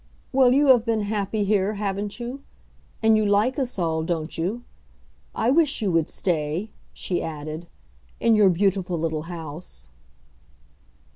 "Well, you have been happy here, haven't you? And you like us all, don't you? I wish you would stay," she added, "in your beautiful little house."